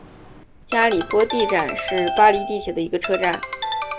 加里波第站是巴黎地铁的一个车站。